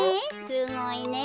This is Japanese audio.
すごいね。